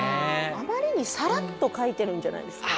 あまりにサラッと書いてるんじゃないですか？